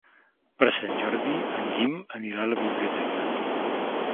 Per Sant Jordi en Guim anirà a la biblioteca.